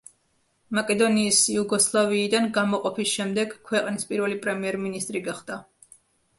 მაკედონიის იუგოსლავიიდან გამოყოფის შემდეგ ქვეყნის პირველი პრემიერ-მინისტრი გახდა.